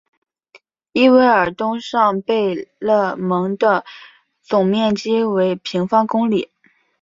伊韦尔东上贝勒蒙的总面积为平方公里。